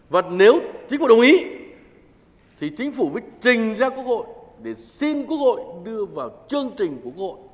và nếu chính phủ đồng ý thì chính phủ mới trình ra quốc hội để xin quốc hội đưa vào chương trình của quốc hội